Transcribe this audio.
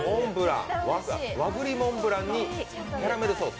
和栗モンブランにキャラメルソース。